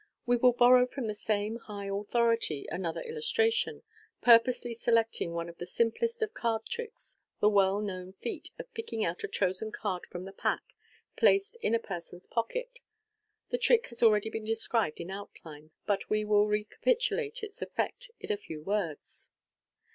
We will borrow from the same high authority another illustration, pur posely selecting one of the simplest of card tricks, the well known feat of picking out a chosen card from the pack, placed in a person's pocket. The trick has already been described in outline, but we will recapitulate its effect in a few words.